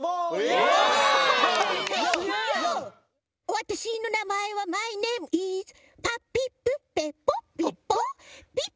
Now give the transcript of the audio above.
わたしのなまえはマイネームイズパピプペポッポッポ。